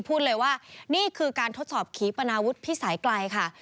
พูดเลยว่านี่คือการทดสอบขีปนาวุฒิพิสัยไกลค่ะ